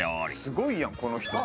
すごいやんこの人。